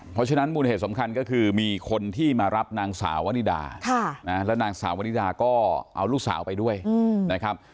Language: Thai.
เพราะฉะนั้นมูลเหตุสำคัญก็คือมีคนที่มารับนางสาววนิดาแล้วนางสาววนิดาก็เอาลูกสาวไปด้วยนะครับ